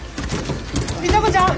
里紗子ちゃん！